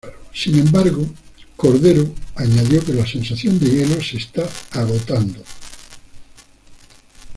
Sin embargo, Cordero añadió que la sensación de hielo se está agotando.